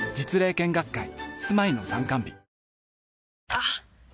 あっ！